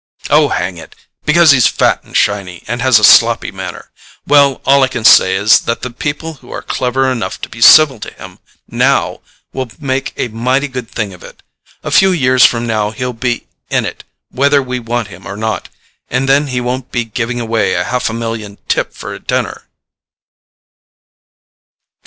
"Oh, hang it—because he's fat and shiny, and has a sloppy manner! Well, all I can say is that the people who are clever enough to be civil to him now will make a mighty good thing of it. A few years from now he'll be in it whether we want him or not, and then he won't be giving away a half a million tip for a dinner."